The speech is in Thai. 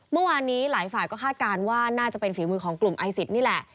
เมื่อวานนี้หลายฝ่ายก็คาดการณ์ว่าน่าจะเป็นฝีมือของกลุ่มไอซิสนี่แหละ